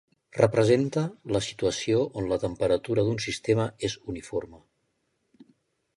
Representa la situació on la temperatura d'un sistema és uniforme.